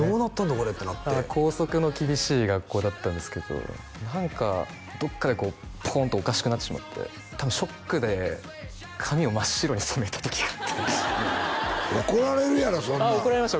これってなって校則の厳しい学校だったんですけど何かどっかでこうポンとおかしくなってしまって多分ショックで髪を真っ白に染めた時があって怒られるやろそんなん怒られました